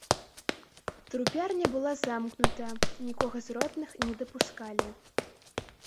Трупярня была замкнута, нікога з родных не дапускалі.